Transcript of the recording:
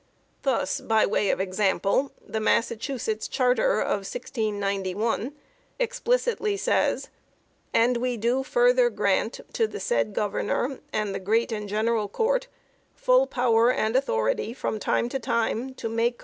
Thus, by way of example, the Massachusetts Charter of 1691 explicitly says: "And we doe ... further ... grant to the said Governor and the great and Generall Court ... full power and Authority from time to time to make